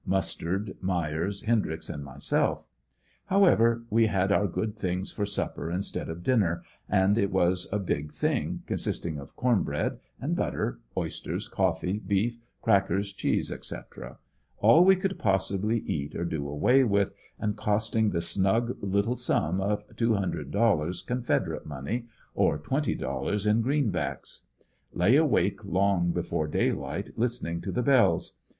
Mustard, Myers, Hendry x and m3'Self . However, we had our good things for supper instead of dinner, and it was a big thing, consisting of corn bread and butter, oysters, coff'ee, beef, crackers, cheese &c. ; all we could possibly eat or do away with, and costing the snug litt e sum of $200 Confederate money, or $20 in greenbacks. Lay awake long before daylight listening to the bells.